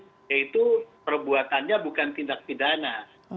yaitu perbuatannya bukan tindak pidana